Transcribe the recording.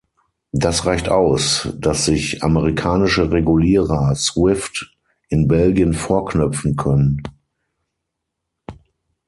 Das reicht aus, dass sich amerikanische Regulierer Swift in Belgien vorknöpfen können.